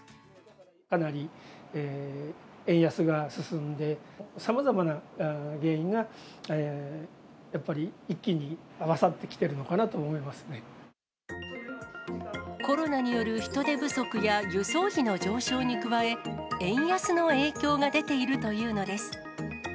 かなり円安が進んで、さまざまな原因がやっぱり一気に合わさってきてるのかなと思いまコロナによる人手不足や、輸送費の上昇に加え、円安の影響が出ているというのです。